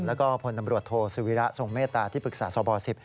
แล้วก็พลตำรวจโทสุวิระทรงเมตตาที่ปรึกษาสบ๑๐